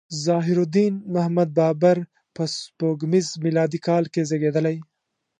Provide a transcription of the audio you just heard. ظهیرالدین محمد بابر په سپوږمیز میلادي کال کې زیږیدلی.